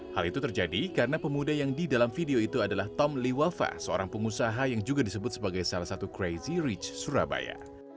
hal itu terjadi karena pemuda yang di dalam video itu adalah tom liwafa seorang pengusaha yang juga disebut sebagai salah satu crazy rich surabaya